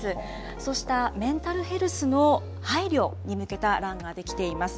そうしたメンタルヘルスの配慮に向けた欄が出来ています。